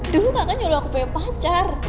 dulu kakak nyuruh aku bebas